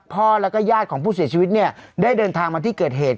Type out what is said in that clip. พ่อแล้วก็ญาติของผู้เสียชีวิตเนี่ยได้เดินทางมาที่เกิดเหตุ